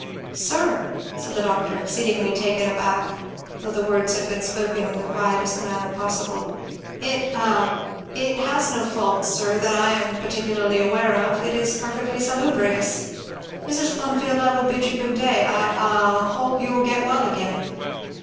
"Sir!" said the doctor, exceedingly taken aback, though the words had been spoken in the quietest manner possible, 'it a it has no fault, sir, that I am particularly aware of it is perfectly salubrious. Mrs. Plumfield, I will bid you good day; I a I hope you will get well again!"